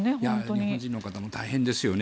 日本人の方も大変ですよね。